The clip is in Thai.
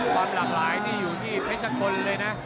ความหลากหลายนี่อยู่ที่เพชรกลเลยนะ